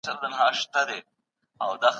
سیاست به خامخا په دولت پورې وتړل سي.